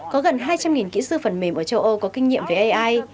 có gần hai trăm linh kỹ sư phần mềm ở châu âu có kinh nghiệm về ai